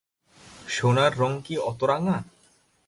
সোনার রং কি অত রাঙা?